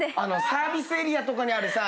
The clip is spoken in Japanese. サービスエリアとかにあるさ